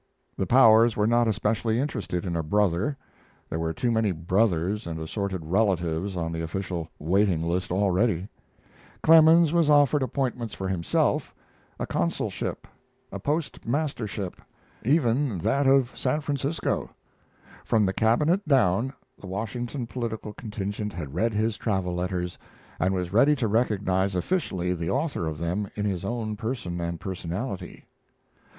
The powers were not especially interested in a brother; there were too many brothers and assorted relatives on the official waiting list already. Clemens was offered appointments for himself a consulship, a post mastership; even that of San Francisco. From the Cabinet down, the Washington political contingent had read his travel letters, and was ready to recognize officially the author of them in his own person and personality.